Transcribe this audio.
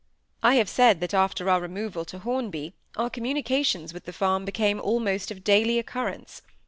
I have said that after our removal to Hornby our communications with the farm became almost of daily occurrence.